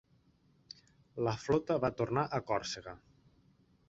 La flota va tornar a Còrsega.